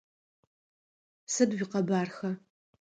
Сыд уикъэбархэ?